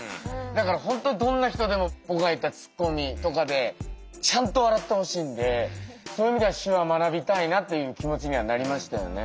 だから本当どんな人でも僕が言ったツッコミとかでちゃんと笑ってほしいんでそういう意味では手話学びたいなという気持ちにはなりましたよね。